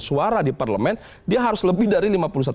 suara di parlemen dia harus lebih dari